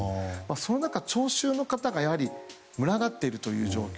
その中で、聴衆の方が群がっている状況